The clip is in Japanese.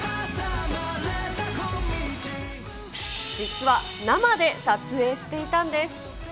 実は生で撮影していたんです。